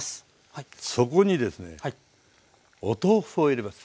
そこにですねお豆腐を入れます。